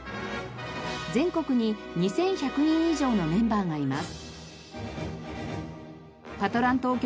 全国に２１００人以上のメンバーがいます。